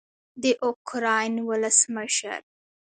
د اوکراین ولسمشر